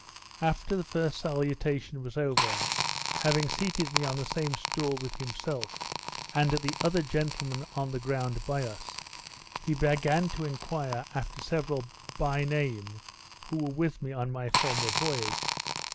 After the first salutation was over, having seated me on the same stool with himself, and the other gentlemen on the ground by us, he began to enquire after several by name who were with me on my former voyage.